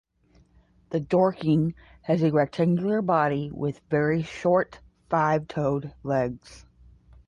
The Dorking has a rectangular body with very short, five-toed legs.